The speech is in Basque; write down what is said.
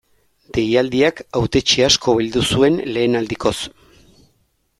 Deialdiak hautetsi asko bildu zuen lehen aldikoz.